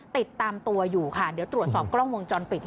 ติดตามตัวอยู่ค่ะเดี๋ยวตรวจสอบกล้องวงจรปิด